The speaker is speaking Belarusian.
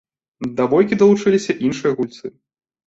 Да бойкі далучыліся іншыя гульцы.